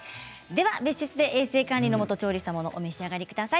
別室で衛生管理のもと調理したものをお召し上がりください。